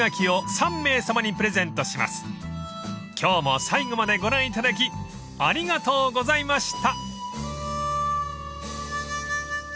［今日も最後までご覧いただきありがとうございました］